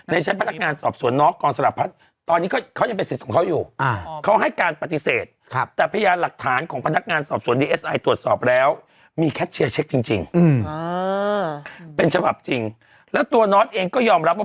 ในชั้นพนักงานสอบสวนน้อต์กองสลับพรรดิตอนนี้ก็เขายังเป็นสิทธิ์ของเขาอยู่